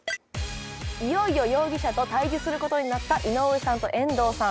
いよいよ容疑者と対峙することになった井上さんと遠藤さん。